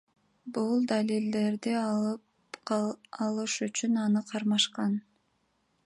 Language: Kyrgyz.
Бул далилдерди алып алыш үчүн аны кармашкан.